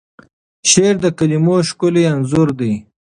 شعر د کلیمو ښکلی انځور دی.